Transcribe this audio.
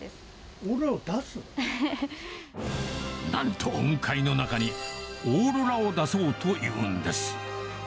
なんと雲海の中に、オーロラを出そうというんです。